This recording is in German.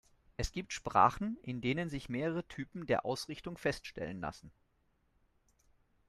Es gibt Sprachen, in denen sich mehrere Typen der Ausrichtung feststellen lassen.